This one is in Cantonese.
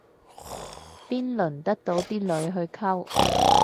邊輪得到啲女去溝